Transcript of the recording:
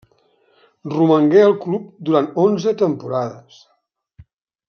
Romangué al club durant onze temporades.